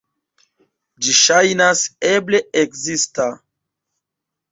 Ĝi ŝajnas eble ekzista.